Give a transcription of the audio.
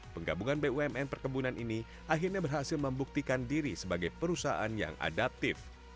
penggabungan bumn perkebunan ini akhirnya berhasil membuktikan diri sebagai perusahaan yang adaptif